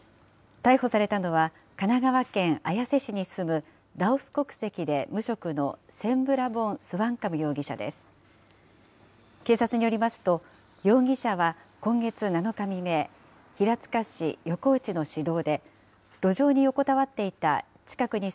逮捕されたのは、神奈川県綾瀬市に住むラオス国籍で無職のセンブラボン・スワンカム容疑者です。